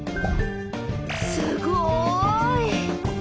すごい！